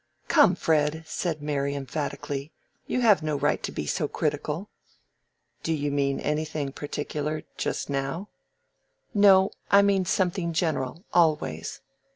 "Come, Fred!" said Mary, emphatically; "you have no right to be so critical." "Do you mean anything particular—just now?" "No, I mean something general—always."